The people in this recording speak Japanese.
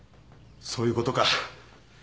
そういうことか！